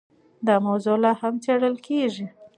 دا موضوع لا هم څېړل کېږي.